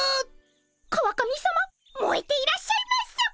川上さまもえていらっしゃいます。